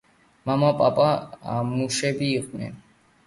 მამა და პაპა მუშები იყვნენ.